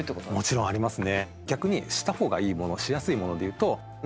もちろんありますね。